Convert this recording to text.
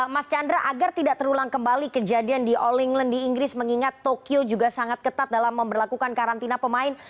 mas chandra agar tidak terulang kembali kejadian di all england di inggris mengingat tokyo juga sangat ketat dalam memperlakukan karantina pemain